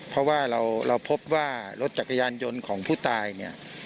เพราะว่าเราพบว่ารถจักรยานยนต์ของผู้ตายเนี่ย